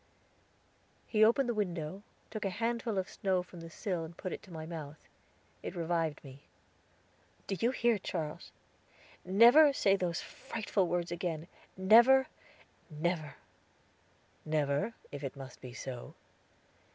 He opened the window, took a handful of snow from the sill and put it to my mouth. It revived me. "Do you hear, Charles? Never say those frightful words again. Never, never." "Never, if it must be so."